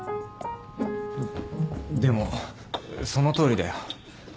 でもそのとおりだよ。